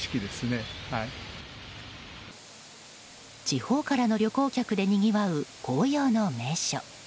地方からの旅行客でにぎわう紅葉の名所。